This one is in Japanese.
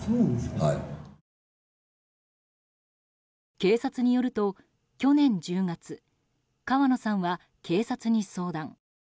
警察によると去年１０月川野さんは警察に相談。